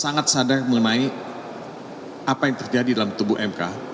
sangat sadar mengenai apa yang terjadi dalam tubuh mk